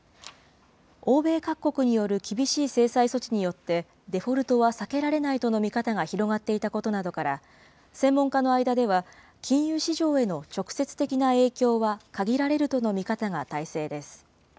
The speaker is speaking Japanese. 欧米各国による厳しい制裁措置によって、デフォルトは避けられないとの見方が広がっていたことなどから、専門家の間では金融市場への直接的な影響は限られるとの見方が大勢です。